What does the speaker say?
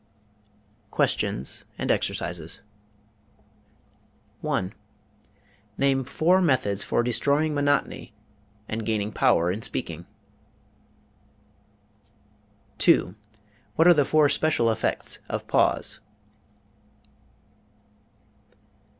'" QUESTIONS AND EXERCISES 1. Name four methods for destroying monotony and gaining power in speaking. 2. What are the four special effects of pause?